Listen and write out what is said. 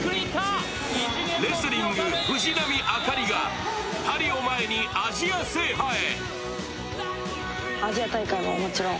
レスリング・藤波朱理がパリを前にアジア制覇へ。